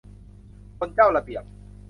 คนเจ้าระเบียบ